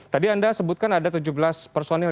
jadi anda sebutkan ada tujuh belas personel